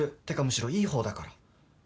てかむしろいい方だから。